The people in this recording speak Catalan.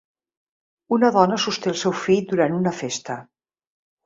Una dona sosté el seu fill durant una festa